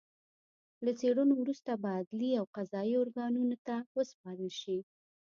له څېړنو وروسته به عدلي او قضايي ارګانونو ته وسپارل شي